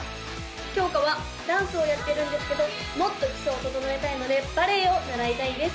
きょうかはダンスをやってるんですけどもっと基礎を整えたいのでバレエを習いたいです